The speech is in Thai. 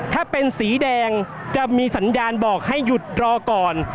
ถ้าเป็นสีแดงจะมีสัญญาณบอกให้หยุดรอก่อน